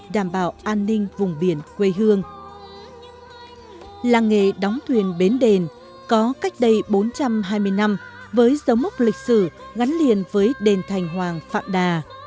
làng nghề đóng thuyền bến đền có cách đây bốn trăm hai mươi năm với dấu mốc lịch sử gắn liền với đền thành hoàng phạm đà